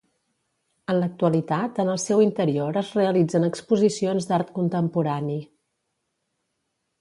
En l'actualitat en el seu interior es realitzen exposicions d'art contemporani.